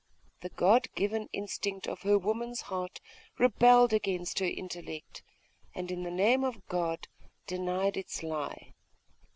The God given instinct of her woman's heart rebelled against her intellect, and, in the name of God, denied its lie....